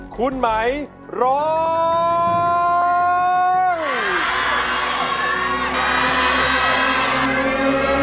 คุณหมายร้องได้